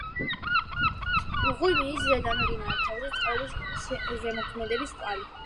მღვიმის ზედა ნაწილში კარგად შეიმჩნევა მდნარი თოვლის წყლების ზემოქმედების კვალი.